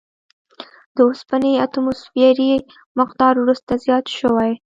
د اوسپنې اتوموسفیري مقدار وروسته زیات شوی.